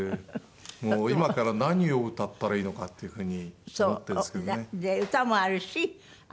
もう今から何を歌ったらいいのかっていう風に思ってるんですけどね。